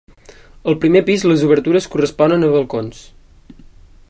Al primer pis les obertures corresponen a balcons.